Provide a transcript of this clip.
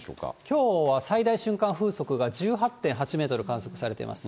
きょうは最大瞬間風速が１８．８メートル、観測されています。